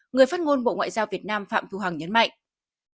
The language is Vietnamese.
người phát ngôn bộ ngoại giao việt nam phạm thu hằng nhấn mạnh